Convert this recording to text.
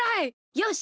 よし！